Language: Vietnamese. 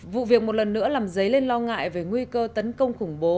vụ việc một lần nữa làm dấy lên lo ngại về nguy cơ tấn công khủng bố